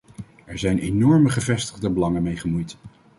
Er zijn enorme gevestigde belangen mee gemoeid.